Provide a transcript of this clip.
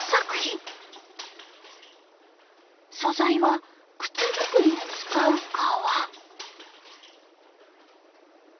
素材は靴作りに使う革。